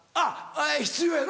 必要やよな？